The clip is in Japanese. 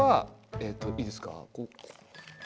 えっといいですか？